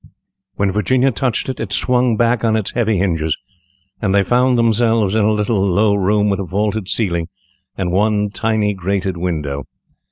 When Virginia touched it, it swung back on its heavy hinges, and they found themselves in a little low room, with a vaulted ceiling, and one tiny grated window.